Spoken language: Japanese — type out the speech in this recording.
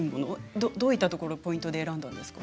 どういったところがポイントで選んだんですか？